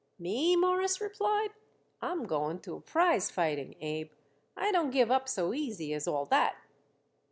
"Me?" Morris replied. "I'm going to a prize fighting, Abe. I don't give up so easy as all that."